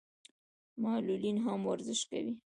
معلولین هم ورزش کوي.